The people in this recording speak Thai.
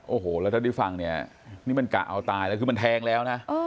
โอ้โหแล้วเท่าที่ฟังเนี่ยนี่มันกะเอาตายแล้วคือมันแทงแล้วนะ